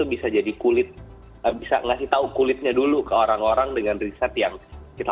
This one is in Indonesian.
bisa jadi kulit bisa ngasih tahu kulitnya dulu ke orang orang dengan riset yang kita